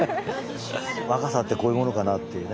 若さってこういうものかなっていうね。